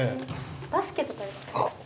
バスケとかですかね。